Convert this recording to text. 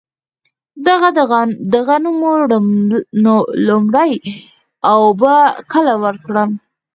د غنمو لومړۍ اوبه کله ورکړم؟